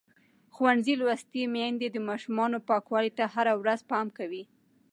ښوونځې لوستې میندې د ماشومانو پاکوالي ته هره ورځ پام کوي.